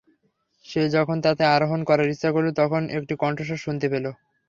সে যখন তাতে আরোহণ করার ইচ্ছা করল তখন একটি কণ্ঠস্বর শুনতে পেল।